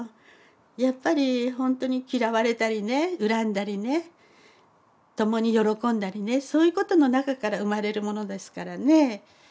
やっぱりほんとに嫌われたりね恨んだりね共に喜んだりねそういうことの中から生まれるものですからね。